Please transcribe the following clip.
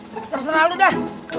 terserah lu dah